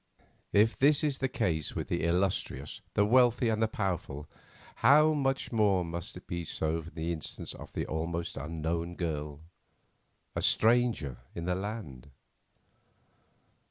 If this is the case with the illustrious, the wealthy and the powerful, how much more must it be so in the instance of an almost unknown girl, a stranger in the land?